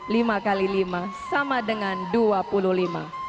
lima x lima sama dengan dua puluh lima